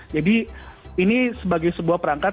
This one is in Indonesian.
jadi ini sebagai sebuah perangkat